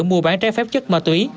mua bán trái phép chất ma túy